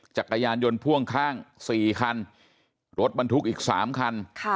จักรยานยนต์พ่วงข้าง๔คันรถบรรทุกอีก๓คัน